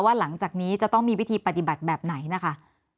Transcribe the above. หลังจากนี้จะต้องมีวิธีปฏิบัติแบบไหนนะคะ